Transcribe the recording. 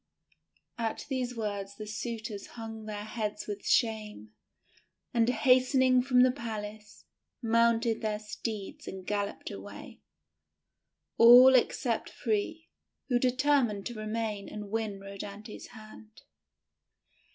At these words the suitors hung their heads with shame, and, hastening from the palace, mounted their steeds and galloped away — all except three, who determined to remain and win Rhodanthe's hand.